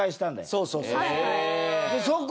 そうそうそうそう。